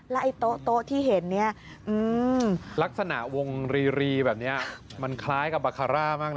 ไอ้โต๊ะที่เห็นเนี่ยลักษณะวงรีแบบนี้มันคล้ายกับบาคาร่ามากเลย